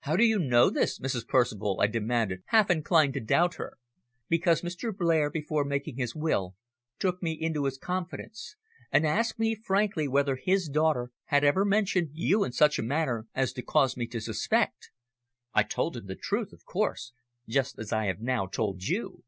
"How do you know this, Mrs. Percival?" I demanded, half inclined to doubt her. "Because Mr. Blair, before making his will, took me into his confidence and asked me frankly whether his daughter had ever mentioned you in such a manner as to cause me to suspect. I told him the truth of course, just as I have now told you.